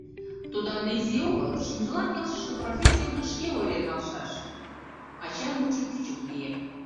Тудо ынде изи огыл, шӱмжылан келшыше профессийым шке ойырен налшаш, — ачан мутшо кӱчык лие.